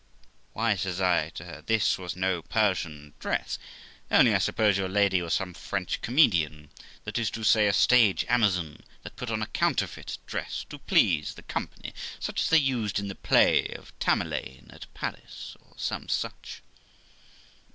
'Why', says I to her, 'this was no Persian dress; only, I suppose your lady was some French comedian, that is to say a stage Amazon, that put on a counterfeit dress to please the company, such as they used in the play of Tamerlane at Paris, or some such.'